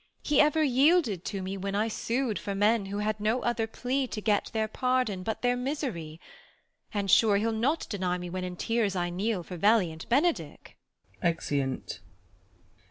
He ever yielded to me Avhen I su'd For men who had no other plea to get Tlieir pardon but their misery ; and, sure, He'll not deny me when in tears I kneel For valiant Benedick. [Exeunt.